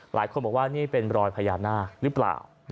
หลายคนบอกว่านี่เป็นรอยพญานาคหรือเปล่า